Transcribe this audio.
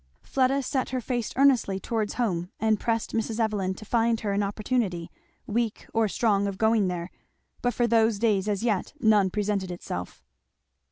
Fleda set her face earnestly towards home, and pressed Mrs. Evelyn to find her an opportunity, weak or strong, of going there; but for those days as yet none presented itself.